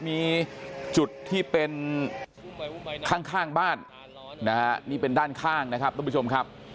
มีจุดที่เป็นข้างบ้านนะฮะนี่เป็นด้านข้างนะครับทุกผู้ชมครับ